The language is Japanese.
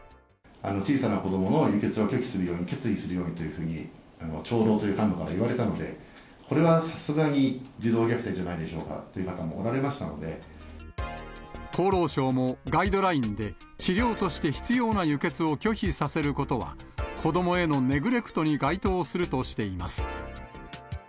小さな子どもの輸血を拒否するように、決意するようにというふうに、長老という幹部から言われたので、これはさすがに児童虐待じゃないでしょうかという方もおられまし厚労省もガイドラインで、治療として必要な輸血を拒否させることは、子どもへのネグレクトに該当するとしています。